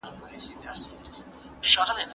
د کاروبار تریخوالی به تا پوخ کړي.